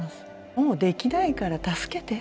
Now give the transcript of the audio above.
もうできないから助けて。